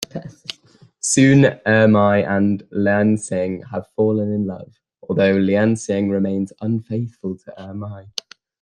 Soon, Ermei and Liansheng have fallen in love, although Liansheng remains unfaithful to Ermei.